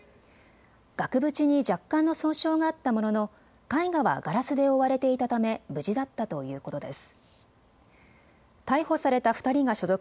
額縁に若干の損傷があったものの絵画はガラスで覆われていたため無事だったということです。